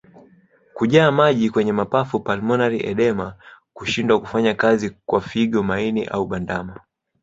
Kujaa maji kwenye mapafu pulmonary edema Kushindwa kufanya kazi kwa figo maini au bandama